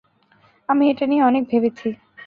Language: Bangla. আমি এটা নিয়ে অনেক ভেবেছি।